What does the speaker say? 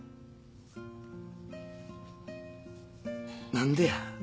何でや？